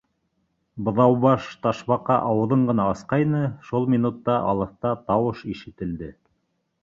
Быҙаубаш Ташбаҡа ауыҙын ғына асҡайны, шул минутта алыҫта тауыш ишетелде: